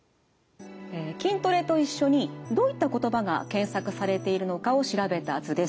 「筋トレ」と一緒にどういった言葉が検索されているのかを調べた図です。